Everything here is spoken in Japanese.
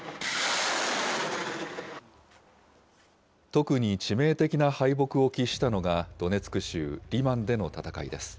特に致命的な敗北を喫したのが、ドネツク州リマンでの戦いです。